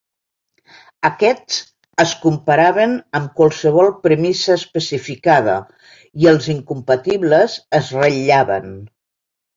Aquests es comparaven amb qualsevol premissa especificada i els incompatibles es ratllaven.